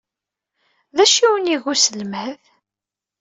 D acu ay awen-iga uselmad?